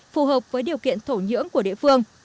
phù hợp với điều kiện thổ nhưỡng của địa phương